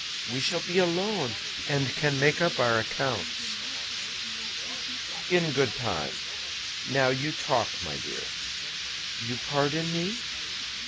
We shall be alone, and can make up our accounts." "In good time. Now you talk, my dear." "You pardon me?"